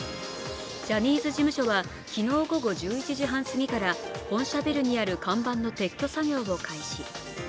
ジャニーズ事務所は昨日午後１１時半過ぎから本社ビルにある看板の撤去作業を開始。